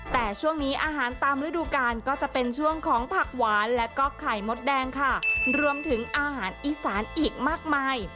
แต่ช่วงนี้อาหารตามฤดูกาลก็จะเป็นช่วงของผักหวานและก็ไข่มดแดงค่ะรวมถึงอาหารอีสานอีกมากมาย